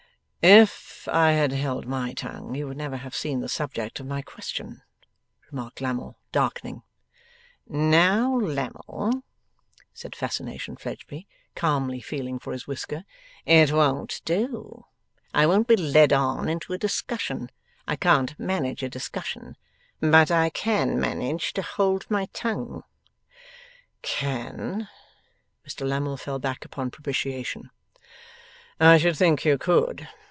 'If I had held my tongue, you would never have seen the subject of my question,' remarked Lammle, darkening. 'Now, Lammle,' said Fascination Fledgeby, calmly feeling for his whisker, 'it won't do. I won't be led on into a discussion. I can't manage a discussion. But I can manage to hold my tongue.' 'Can?' Mr Lammle fell back upon propitiation. 'I should think you could!